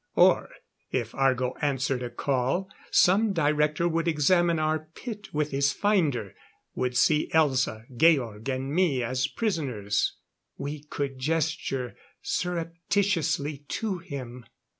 Or, if Argo answered a call, some Director would examine our pit with his finder would see Elza, Georg and me as prisoners. We could gesture surreptitiously to him....